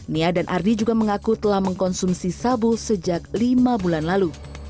nia dan ardi juga mengaku telah mengkonsumsi sabu sejak lima bulan lalu